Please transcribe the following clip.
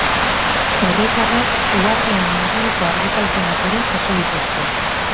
Herritarrek uhateen inguruko argitalpenak ere jaso dituzte.